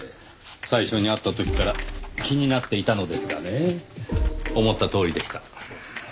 最初に会った時から気になっていたのですがね思ったとおりでした。